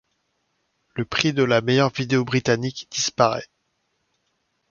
Le prix de la meilleure vidéo britannique disparaît.